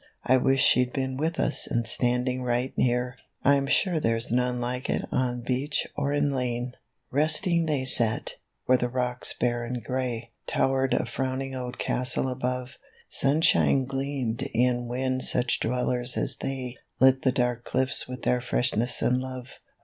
I wish she'd been with us and standing right near; I'm sure there's none like it on beach or in lane !" 26 A RUN ON THE BEACH. Resting they sat, where the rocks hare and gray, Towered a frowning old castle above; Sunshine gleamed in when such dwellers as they Lit the dark cliffs with their freshness and love.